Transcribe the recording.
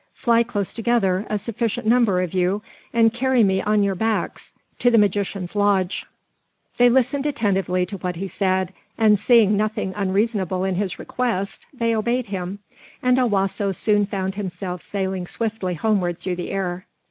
Fly close together, a sufficient number of you, and carry me on your backs to the magician's lodge." [Illustration: 0193] They listened attentively to what he said, and seeing nothing unreasonable in his request, they obeyed him, and Owasso soon found himself sailing swiftly homeward through the air.